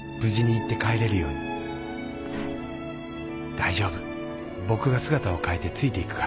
大丈夫僕が姿を変えてついて行くから。